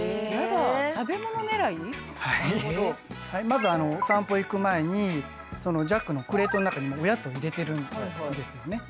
まずあのお散歩行く前にジャックのクレートの中におやつを入れてるんですよね。